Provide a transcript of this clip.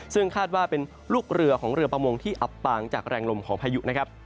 ซึ่งคาดว่าเป็นลูกเรือของเรือประมงที่อับปางจากแรงลมของพายุนะครับ